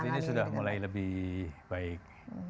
saat ini sudah mulai lebih baik